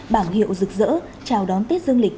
bảng hiệu rực rỡ chào đón tết dương lịch